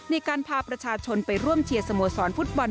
ในการพาประชาชนไปร่วมเชียร์สโมสรฟุตบอล